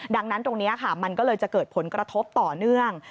ดังนั้นตรงนี้ค่ะมันก็เลยจะเกิดผลกระทบต่อเนื่อง